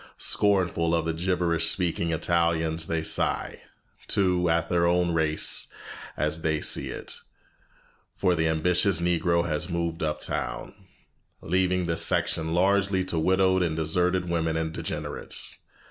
Scornful of the gibberish speaking Italians, they sigh, too, at their own race as they see it, for the ambitious Negro has moved uptown, leaving this section largely to widowed and deserted women and degenerates.